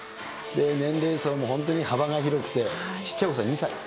年齢層も本当に幅が広くて、ちっちゃいお子さん、２歳。